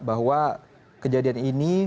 bahwa kejadian ini